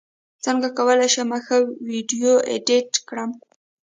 څنګه کولی شم ښه ویډیو ایډیټ کړم